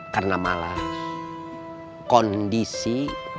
karena malah kondisi